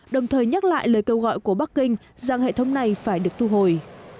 đồng thời nhắc lại lời kêu gọi của bắc kinh rằng hệ thống này phải được thu hồi